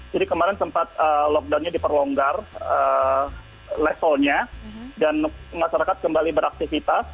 jadi kemarin sempat lockdownnya diperlonggar lesolnya dan masyarakat kembali beraktifitas